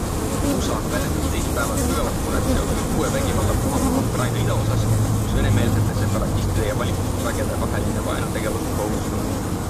USA väljendas teisipäeval sügavat muret seoses uue vägivallapuhanguga Ukraina idaosas, kus venemeelsete separatistide ja valitsusvägede vaheline vaenutegevus on hoogustunud.